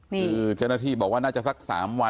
คือเจ้าหน้าที่บอกว่าน่าจะสัก๓วัน